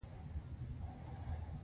د لمر وړانګې منارو ته خداې پا ماني کوله.